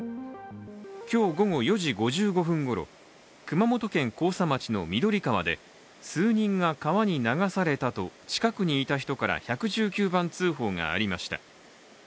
今日午後４時５５分ごろ熊本県甲佐町の緑川で数人が川に流されたと近くにいた人から１１９番通報がありました。